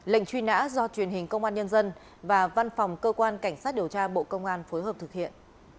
lệnh truy nã do truyền hình công an nhân dân và văn phòng cơ quan cảnh sát điều tra bộ công an phối hợp thực hiện